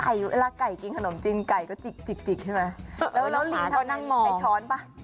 อารินได้ช้อนปะ